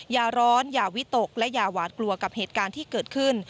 อย่าร้อนอย่าวิตกและอย่าหวาดกลัวกับเหตุการณ์ที่เกิดขึ้น